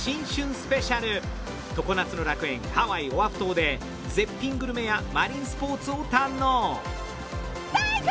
スペシャル常夏の楽園ハワイ・オアフ島で絶品グルメやマリンスポーツを堪能！